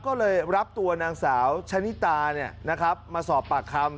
ก็เลยรับตัวนางสาวชะนิตามาสอบปากคำ